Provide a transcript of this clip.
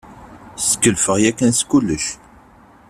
Setkelfeɣ yakan s kullec.